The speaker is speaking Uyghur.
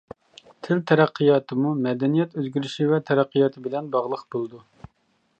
تىل تەرەققىياتىمۇ مەدەنىيەت ئۆزگىرىشى ۋە تەرەققىياتى بىلەن باغلىق بولىدۇ.